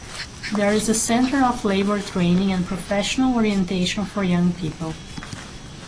There is a center of labor training and professional orientation for young people.